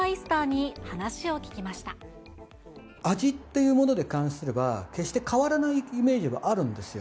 味っていうもので関すれば、決して変わらないイメージはあるんですよ。